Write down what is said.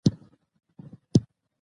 ښارونه د افغانانو د ګټورتیا برخه ده.